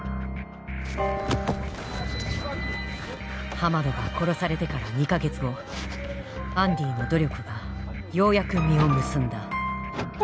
ハマドが殺されてから２か月後アンディの努力がようやく実を結んだ。